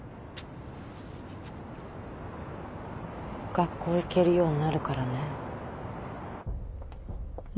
学校行けるようになるからね。